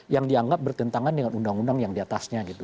yang dianggap bertentangan dengan undang undang yang diatasnya gitu